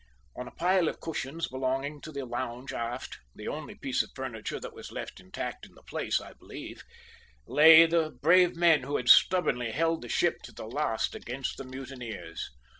On a pile of cushions belonging to the lounge aft the only piece of furniture that was left intact in the place, I believe lay the brave men who had stubbornly held the ship to the last against the mutineers.